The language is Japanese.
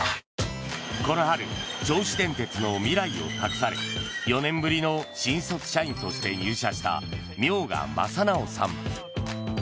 この春銚子電鉄の未来を託され４年ぶりの新卒社員として入社した明賀雅直さん。